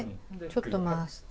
ちょっと回して。